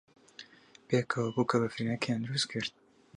پێکەوە بووکەبەفرینەیەکیان دروست کرد.